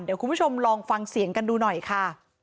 เดี๋ยวคุณผู้ชมลองฟังเสียงกันดูหน่อยค่ะ